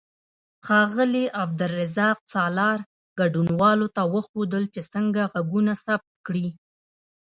ښاغلي عبدالرزاق سالار ګډونوالو ته وښودل چې څنګه غږونه ثبت کړي.